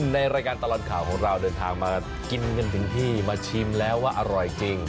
ในรายการตลอดข่าวของเราเดินทางมากินกันถึงที่มาชิมแล้วว่าอร่อยจริง